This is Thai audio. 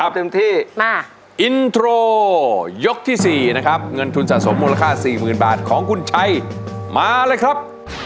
เต็มที่อินโทรยกที่๔นะครับเงินทุนสะสมมูลค่า๔๐๐๐บาทของคุณชัยมาเลยครับ